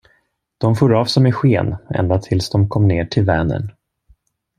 De for av som i sken ända tills de kom ner till Vänern.